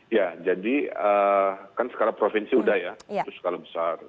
ya jadi kan skala provinsi sudah ya itu skala besar